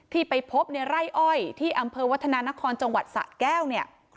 ไปพบในไร่อ้อยที่อำเภอวัฒนานครจังหวัดสะแก้วเนี่ย